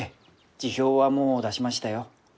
辞表はもう出しましたよ。